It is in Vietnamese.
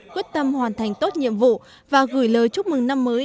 quyết tâm hoàn thành tốt nhiệm vụ và gửi lời chúc mừng năm mới